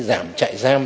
giảm chạy giam